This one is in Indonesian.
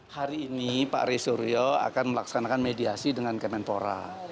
hari ini pak rey suryo akan melaksanakan mediasi dengan kemenpora